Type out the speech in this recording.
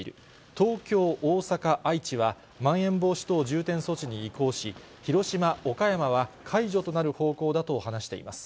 東京、大阪、愛知は、まん延防止等重点措置に移行し、広島、岡山は解除となる方向だと話しています。